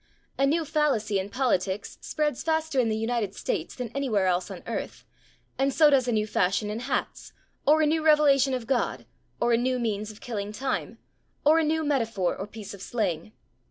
A new fallacy in politics spreads faster in the United States than anywhere else on earth, and so does a new fashion in hats, or a new revelation of God, or a new means of killing time, or a new metaphor or piece of slang.